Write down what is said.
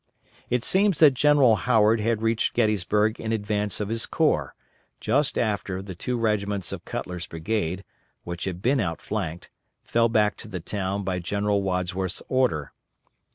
It seems that General Howard had reached Gettysburg in advance of his corps, just after the two regiments of Cutler's brigade, which had been outflanked, fell back to the town by General Wadsworth's order.